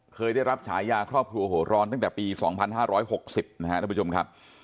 เคยได้รับฉายาครอบครัวหัวร้อนตั้งแต่ปี๒๕๖๐นะครับท่านผู้ชมครับ